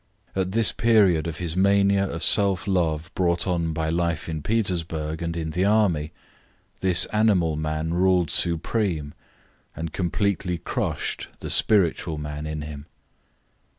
At this period of his mania of self love brought on by life in Petersburg and in the army, this animal man ruled supreme and completely crushed the spiritual man in him.